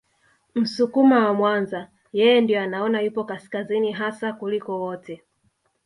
Msukuma wa Mwanza yeye ndio anaona yupo kaskazini hasa kuliko wote